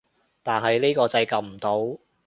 但係呢個掣撳唔到